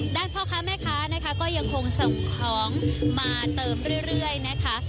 พ่อค้าแม่ค้านะคะก็ยังคงส่งของมาเติมเรื่อยนะคะ